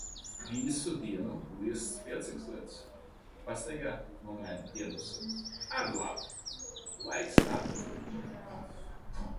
Visu dienu līst spēcīgs lietus. Pastaigu nomaina diendusa. Arī labi. Laiks atpūtai.